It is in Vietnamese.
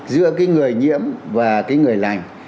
giữa cái người nhiễm và cái người lành